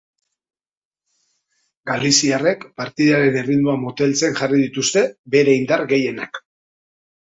Galiziarrek partidaren erritmoa moteltzen jarri dituzte bere indar gehienak.